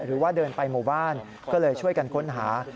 หรือว่าเดินไปหมู่บ้านก็เลยช่วยกันค้นหา